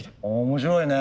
面白いね。